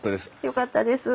よかったです。